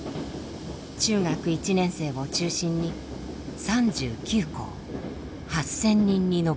中学１年生を中心に３９校８，０００人に上ります。